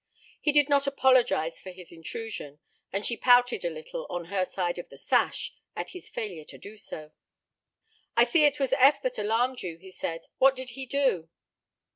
He did not apologize for his intrusion, and she pouted a little on her safe side of the sash, at his failure to do so. "I see it was Eph that alarmed you," he said. "What did he do?"